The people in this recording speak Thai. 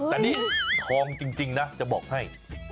แต่นี่ทองจริงนะจะบอกให้